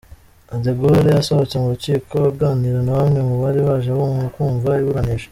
De Gaulle asohotse mu rukiko aganira na bamwe mu bari baje kumva iburanisha